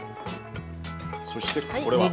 そしてこれは？